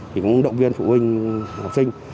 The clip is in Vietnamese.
thì cũng động viên phụ huynh học sinh